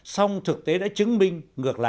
xong thực tế đã chứng minh ngược lại